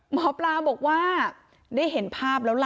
หมอปลาบอกว่าได้เห็นภาพแล้วล่ะ